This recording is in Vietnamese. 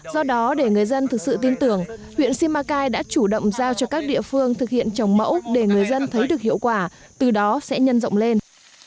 do đó để người dân thực sự tin tưởng huyện simacai đã chủ động giao cho các địa phương thực hiện trồng mẫu để người dân thấy được hiệu quả từ đó sẽ nhân rộng lên